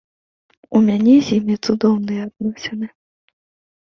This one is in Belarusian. У мяне з імі цудоўныя адносіны.